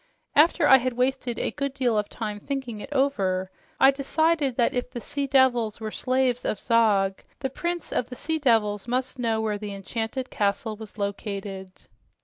After I had wasted a good deal of time thinking it over, I decided that if the sea devils were slaves of Zog, the prince of the sea devils must know where the enchanted castle was located.